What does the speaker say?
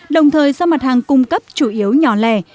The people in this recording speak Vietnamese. đồng thời do mặt hàng cung cấp chủ yếu nhỏ lẻ